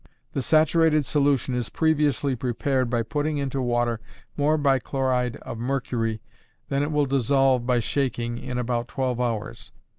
The saturated solution is previously prepared by putting into water more bichloride of mercury than it will dissolve by shaking in about twelve hours.